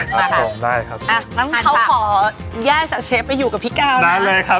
มากได้เลยมาค่ะ